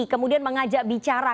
kemudian mengajak bicara